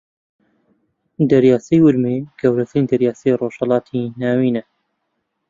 دەریاچەی ورمێ گەورەترین دەریاچەی ڕۆژھەڵاتی ناوینە